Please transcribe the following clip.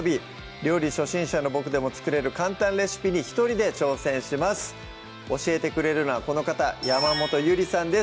料理初心者のボクでも作れる簡単レシピに一人で挑戦します教えてくれるのはこの方山本ゆりさんです